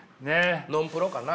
ノンプロかな。